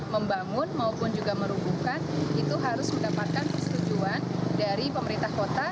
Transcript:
membangun maupun juga meruguhkan itu harus mendapatkan persetujuan dari pemerintah kota